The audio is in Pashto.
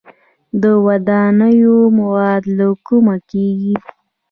د ودانیو مواد له کومه کیږي؟